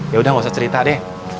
yaudah gausah cerita deh